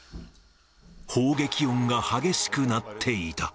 砲撃音が激しくなっていた。